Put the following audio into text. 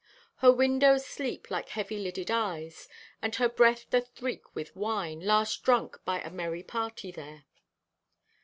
Her windows sleep like heavy lidded eyes, and her breath doth reek with wine, last drunk by a merry party there.